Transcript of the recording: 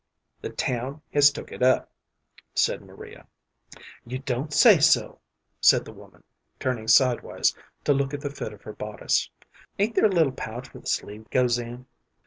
"The town has took it up," said Maria. "You don't say so," said the woman, turning sidewise to look at the fit of her bodice. "Ain't there a little pouch where the sleeve goes in?"